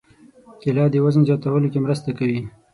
کېله د وزن زیاتولو کې مرسته کوي.